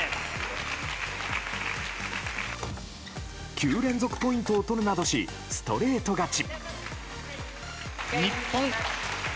９連続ポイントを取るなどしストレート勝ち。